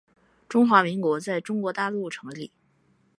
中华民国在中国大陆成立